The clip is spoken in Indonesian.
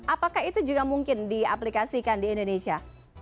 apakah itu juga mungkin diaplikasikan di indonesia